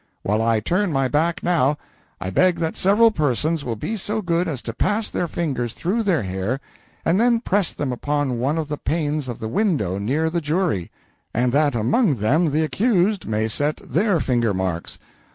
While I turn my back now, I beg that several persons will be so good as to pass their fingers through their hair, and then press them upon one of the panes of the window near the jury, and that among them the accused may set their finger marks.